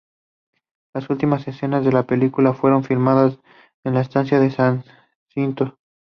Las últimas escenas de la película fueron filmadas en la estancia "San Jacinto".